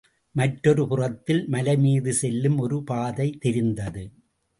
மற்றொரு புறத்தில் மலைமீது செல்லும் ஒரு பாதை தெரிந்தது.